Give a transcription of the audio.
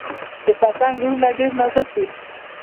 د پتنګ وزرونه ډیر نازک وي